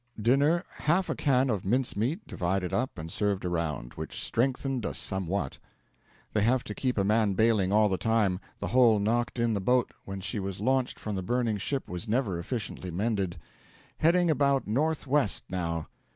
Dinner 'half a can of mincemeat divided up and served around, which strengthened us somewhat.' They have to keep a man bailing all the time; the hole knocked in the boat when she was launched from the burning ship was never efficiently mended. 'Heading about north west now.'